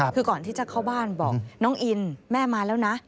คือก่อนที่จะเข้าบ้านบอกน้องอินแม่มาแล้วนะ